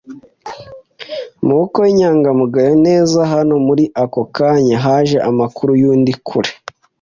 amaboko y'inyangamugayo - neza, hano, muri ako kanya, haje amakuru yundi. Kure